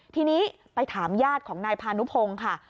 ทีนี้ไปถามญาติของนายพานุพงศ์ค่ะ